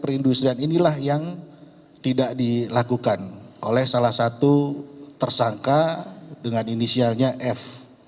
perindustrian inilah yang tidak dilakukan oleh salah satu tersangka dengan inisialnya f